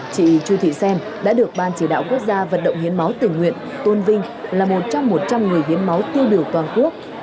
chị chu thị xem đã được ban chỉ đạo quốc gia vận động hiến máu tình nguyện tôn vinh là một trong một trăm linh người hiến máu tiêu biểu toàn quốc